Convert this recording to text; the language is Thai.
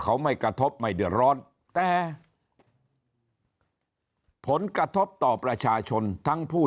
เขาไม่กระทบไม่เดือดร้อนแต่ผลกระทบต่อประชาชนทั้งผู้